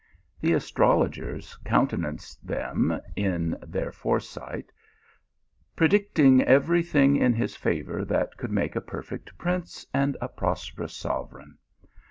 The astrologers countenanced them in their fore sight, predicting every thing in his favour that could make a perfect prince and a prosperous sovereign.